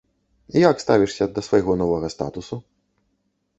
Як ставішся да свайго новага статусу?